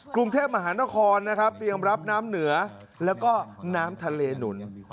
กรุงเทพมหานครนะครับเตรียมรับน้ำเหนือแล้วก็น้ำทะเลหนุน